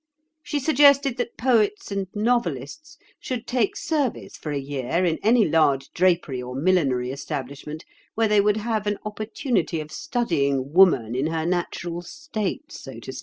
She suggested that poets and novelists should take service for a year in any large drapery or millinery establishment where they would have an opportunity of studying woman in her natural state, so to speak."